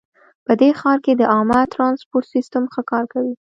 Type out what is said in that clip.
په دې ښار کې د عامه ترانسپورټ سیسټم ښه کار کوي